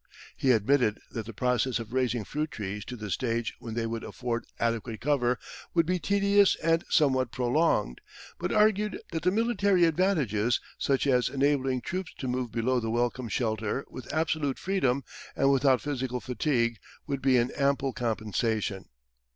He admitted that the process of raising fruit trees to the stage when they would afford adequate cover would be tedious and somewhat prolonged, but argued that the military advantages, such as enabling troops to move below the welcome shelter with absolute freedom and without physical fatigue, would be an ample compensation.